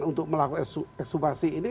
untuk melakukan ekshumasi ini